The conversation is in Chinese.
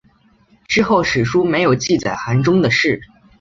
之后史书没有记载韩忠的事。